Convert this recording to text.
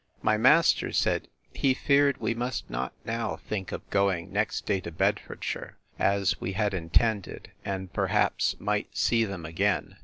My master said, He feared we must not now think of going next day to Bedfordshire, as we had intended; and perhaps might see them again.